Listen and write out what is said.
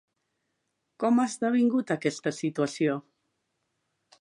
Com ha esdevingut aquesta situació?